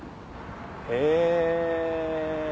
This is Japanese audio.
へぇ。